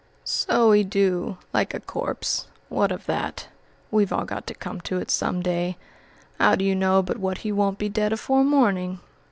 "So he do, like a corpse. What of that? We've all got to come to it some day. 'Ow d'ye know but what he won't be dead afore morning?